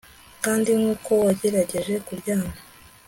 kandi nkuko wagerageje kuryama ..